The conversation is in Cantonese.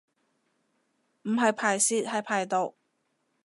唔係排泄係排毒